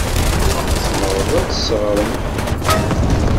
Tzemrem ad as-teɣrem?